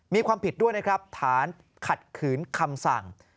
มีความผิดด้วยนะครับฐานขัดขืนคำสั่ง